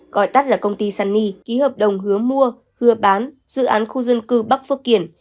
gọi tắt là công ty sunny ký hợp đồng hứa mua hứa bán dự án khu dân cư bắc phước kiển